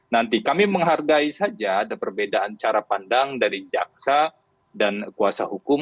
nanti kami menghargai saja ada perbedaan cara pandang dari jaksa dan kuasa hukum